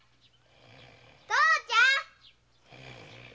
父ちゃん！